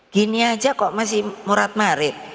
gini aja kok masih murad marid